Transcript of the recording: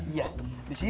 iya di sini